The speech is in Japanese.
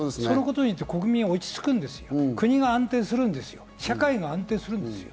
そのことによって国民は落ち着く、国が安定する、社会が安定するんですよ。